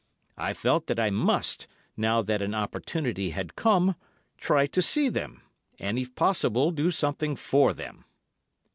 I felt that I must, now that an opportunity had come, try to see them, and if possible do something for them.